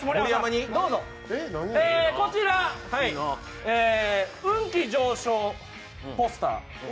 こちら運気上昇ポスター。